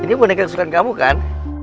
ini boneka kesukaan kamu kan